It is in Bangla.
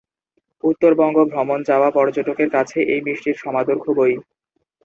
উত্তরবঙ্গ ভ্রমণে যাওয়া পর্যটকের কাছে এই মিষ্টির সমাদর খুবই।